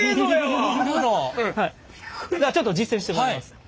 じゃあちょっと実践してもらいますね。